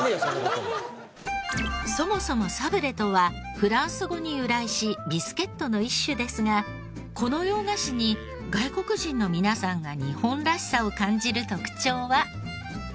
そもそもサブレーとはフランス語に由来しビスケットの一種ですがこの洋菓子に外国人の皆さんが。